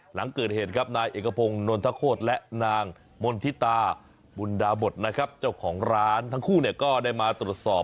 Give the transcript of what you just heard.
หลังเกิดเหตุครับนายเอกพงศ์นนทโคตรและนางมณฑิตาบุญดาบทนะครับเจ้าของร้านทั้งคู่เนี่ยก็ได้มาตรวจสอบ